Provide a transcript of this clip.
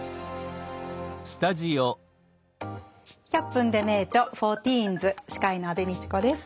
「１００分ｄｅ名著ｆｏｒティーンズ」司会の安部みちこです。